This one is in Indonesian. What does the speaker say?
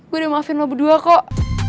gue udah maafin lo berdua kok